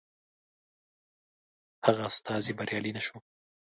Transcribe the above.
هغه استازی بریالی نه شو.